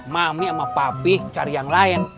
mami sama pabi cari yang lain